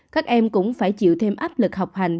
các em cũng phải chịu thêm áp lực học hành